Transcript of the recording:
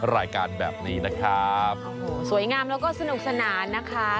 สวยงามแล้วก็สนุกสนานนะคะ